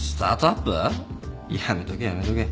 やめとけやめとけ。